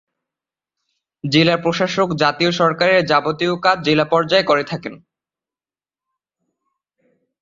জেলা প্রশাসক জাতীয় সরকারের যাবতীয় কাজ জেলা পর্যায়ে করে থাকেন।